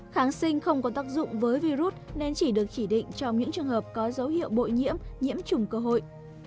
kháng sinh không có tác dụng với virus nên chỉ được chỉ định trong những trường hợp có dấu hiệu bội nhiễm nhiễm nhiễm trùng cơ hội